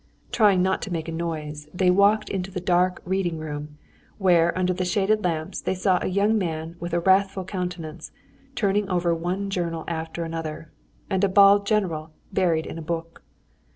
Trying not to make a noise, they walked into the dark reading room, where under the shaded lamps there sat a young man with a wrathful countenance, turning over one journal after another, and a bald general buried in a book.